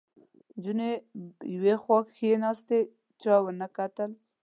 نجونې یوې خواته کېناستې، چا ور ونه کتل